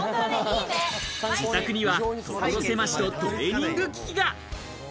自宅にはところせましとトレーニング機器が。